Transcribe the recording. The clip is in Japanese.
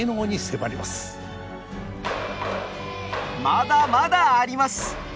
まだまだあります！